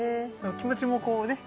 気持ちもこうね